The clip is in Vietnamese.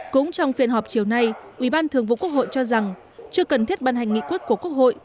cũng trong phiên họp chiều nay ủy ban thường vụ quốc hội cho rằng chưa cần thiết ban hành nghị quyết của quốc hội